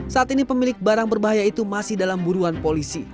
saat ini pemilik barang berbahaya itu masih dalam buruan polisi